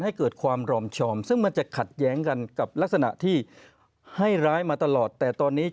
ให้เกิดความรอมชอมซึ่งมันจะขัดแย้งกันกับลักษณะที่ให้ร้ายมาตลอดแต่ตอนนี้